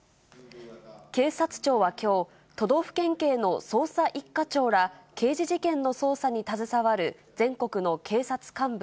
警察庁はきょう、都道府県警の捜査１課長ら、刑事事件の捜査に携わる全国の警察幹部